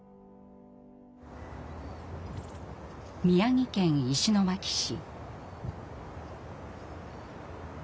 宮城県石巻市。